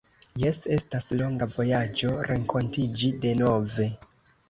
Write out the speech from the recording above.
Jes estas longa vojaĝo renkontiĝi denove